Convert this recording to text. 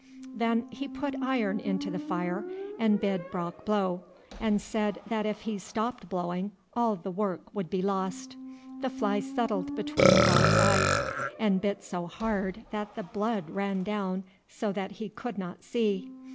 Then he put iron into the fire, and bid Brock blow, and said that if he stopped blowing all the work would be lost. The fly settled between Brock's eyes, and bit so hard that the blood ran down so that he could not see.